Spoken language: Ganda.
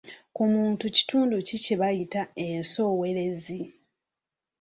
Ku muntu kitundu ki kye bayita ensowerezi?